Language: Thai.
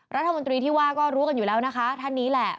รัฐมนตรีที่ว่าก็รู้กันอยู่แล้วนะคะท่านนี้แหละ